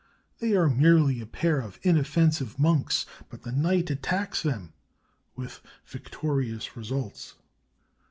They are merely a pair of inoffensive monks, but the knight attacks them, with victorious results.